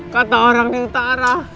kata orang di utara